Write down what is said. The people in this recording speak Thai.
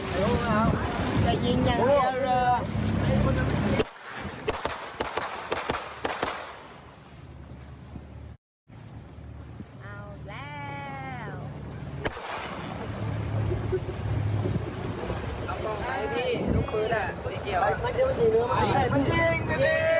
จะยิงอย่างนี้หาเรือ